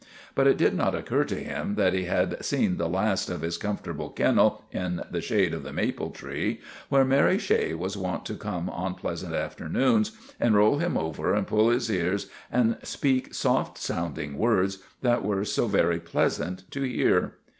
But it did not occur to him that he had seen the last of his comfortable kennel in the shade of the maple tree, where Mary Shea was wont to come on pleasant afternoons and roll him over and pull his ears and speak soft sounding words that were so very pleasant to hear.